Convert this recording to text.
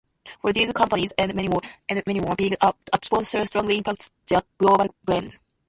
For these companies and many more, being a sponsor strongly impacts their global brands.